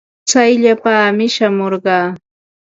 Tsayllapaami shamurqaa.